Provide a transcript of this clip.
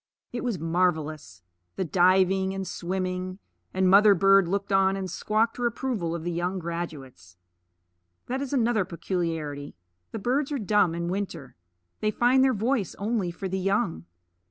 It was marvelous, the diving and swimming; and mother bird looked on and quacked her approval of the young graduates. That is another peculiarity: the birds are dumb in winter; they find their voice only for the young.